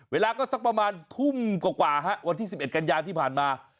เวลาก็สักประมาณทุ่มกว่าวันที่๑๑กันยาที่ผ่านมา